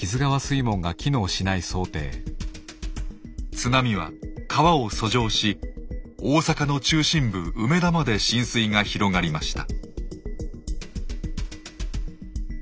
津波は川を遡上し大阪の中心部梅田まで浸水が広がりました。